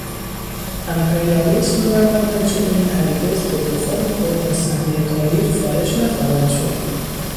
امپریالیسم و مرتجعین هرگز بدلخواه خود از صحنهٔ تاریخ خارج نخواهند شد.